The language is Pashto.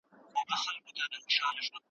دوی ډاډه کيږي چي د کلتورونو توافق وجود لري.